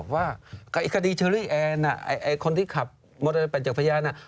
ว่าไอ้คดีแอน่ะไอ้คนที่ขับมดรแปนจกพยาน่ะ